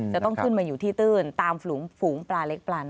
จะต้องขึ้นมาอยู่ที่ตื้นตามฝูงปลาเล็กปลาน้อย